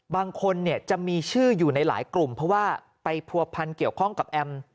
บางคนเนี่ยจะมีชื่ออยู่ในหลายกลุ่มเพราะว่าไปผัวพันเกี่ยวข้องกับแอม